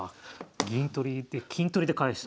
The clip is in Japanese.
銀取りで金取りで返したと。